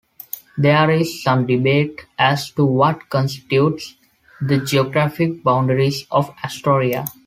There is some debate as to what constitutes the geographic boundaries of Astoria.